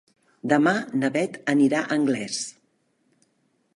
Demà na Beth anirà a Anglès.